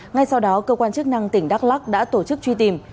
ngay sau đó cơ quan chức năng tỉnh đắk lắc đã tổ chức truy tìm